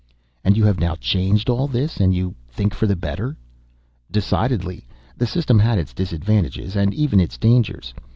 "And you have now changed all this—and you think for the better?" "Decidedly. The system had its disadvantages, and even its dangers.